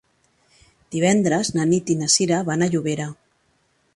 Divendres na Nit i na Sira van a Llobera.